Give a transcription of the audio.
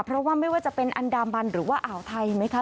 เพราะว่าไม่ว่าจะเป็นอันดามันหรือว่าอ่าวไทยไหมคะ